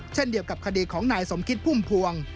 เช่นเดียวกับคดีของนายสมคิดพุ่มพวง